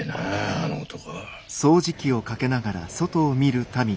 あの男。